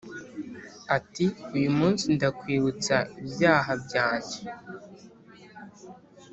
Ati uyu munsi ndakwibutsa ibyaha byanjye